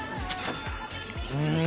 うん。